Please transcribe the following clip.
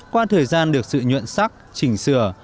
qua thời gian được sự nhuận sắc chỉnh sửa